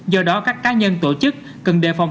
do đó các cá nhân tổ chức cần đề phòng